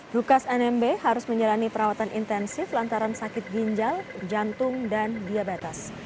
lukas nmb harus menjalani perawatan intensif lantaran sakit ginjal jantung dan diabetes